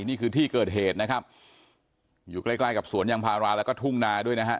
นี่คือที่เกิดเหตุนะครับอยู่ใกล้ใกล้กับสวนยางพาราแล้วก็ทุ่งนาด้วยนะฮะ